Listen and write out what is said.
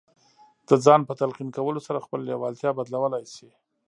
د ځان په تلقين کولو سره خپله لېوالتیا بدلولای شئ.